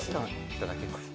いただきます。